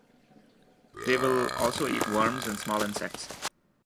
They will also eat worms and small insects.